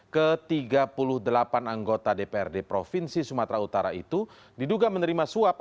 ke tiga puluh delapan anggota dprd provinsi sumatera utara itu diduga menerima suap